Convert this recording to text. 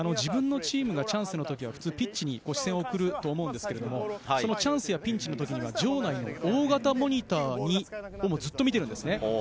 自分のチームがチャンスの時はピッチに視線を送ると思うんですが、チャンスやピンチの時には場内の大型モニターをずっと見ています。